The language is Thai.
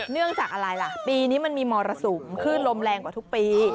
เนื่องจากอะไรล่ะปีนี้มันมีมรสุมขึ้นลมแรงกว่าทุกปี